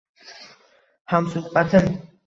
Hamsuhbatim